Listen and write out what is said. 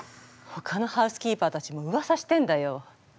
ほかのハウスキーパーたちもうわさしてんだよ。